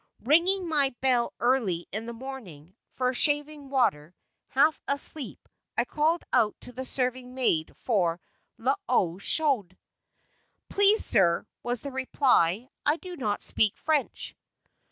Ringing my bell early in the morning, for shaving water, half asleep I called out to the serving maid for "l'eau chaude." "Please, sir," was the reply, "I do not speak French."